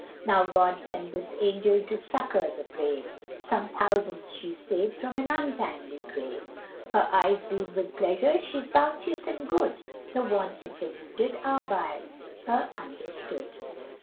Now God sent this angel to succour the brave, Some thousands she's saved from an untimely grave; Her eyes beam with pleasure, she's bounteous and good, The wants of the wounded are by her understood.